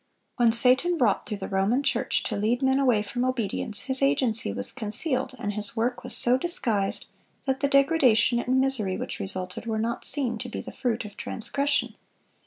When Satan wrought through the Roman Church to lead men away from obedience, his agency was concealed, and his work was so disguised that the degradation and misery which resulted were not seen to be the fruit of transgression.